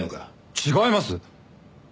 違います！